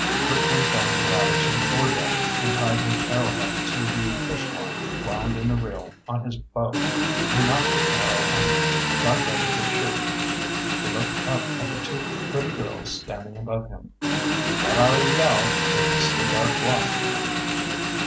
Rick went down the ladder to the foredeck and tied his arrowhead to the fish line wound in the reel on his bow. He nocked the arrow and got ready to shoot. He looked up at the two pretty girls standing above him. "Let out a yell if you see a dark blot."